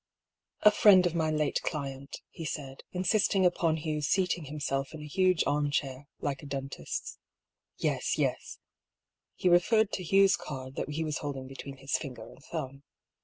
" A friend of my late client," he said, insisting upon Hugh's seating himself in a huge arm chair, like a den tist's. " Yes, yes." (He referred to Hugh's card that he was holding between his finger and thumb.)